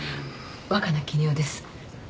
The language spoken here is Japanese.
若菜絹代です。